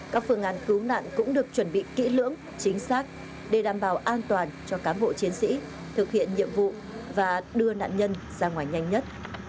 các phương án cứu nạn cũng được chuẩn bị kỹ lưỡng chính xác để đảm bảo an toàn cho cán bộ chiến sĩ thực hiện nhiệm vụ và đưa nạn nhân ra ngoài nhanh nhất